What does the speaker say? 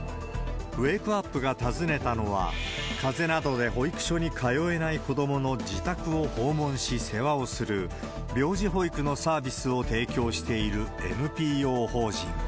ウェークアップが訪ねたのは、かぜなどで保育所に通えない子どもの自宅を訪問し、世話をする、病児保育のサービスを提供しているＮＰＯ法人。